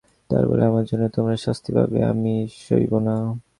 তা বলে আমার জন্যে তোমরা শাস্তি পাবে এ আমি সইব না।